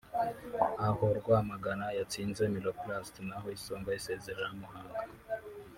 aho Rwamagana yatsinze Miroplast naho Isonga isezerera Muhanga